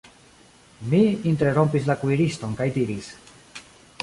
Mi interrompis la kuiriston kaj diris: